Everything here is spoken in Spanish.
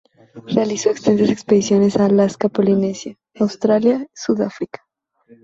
Realizó extensas expediciones a Alaska, Polinesia, Australia, Sudáfrica.